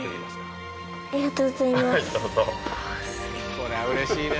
こりゃうれしいね。